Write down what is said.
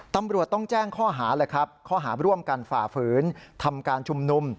ตำรวจต้องแจ้งข้อหาเลยครับข้อหาร่วมกันฝ่าฝืนทำการชุมนุม